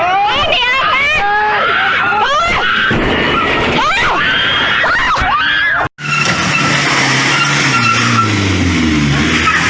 รถมันต่อไปเสียเนอะ